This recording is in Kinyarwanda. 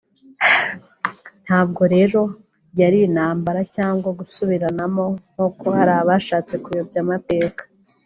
Ntabwo rero yari intambara cyangwa gusubiranamo nk’uko hari abashatse kuyobya amateka